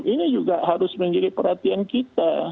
ini juga harus menjadi perhatian kita